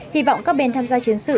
hy vọng các bên tham gia chiến sự